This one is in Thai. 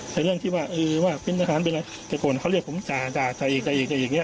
แต่เรื่องที่ว่าเออว่าเป็นราษานเป็นอะไรจริงเขาเรียกผมจาจาเอกจาเอกจาเอกอย่างเงี้ย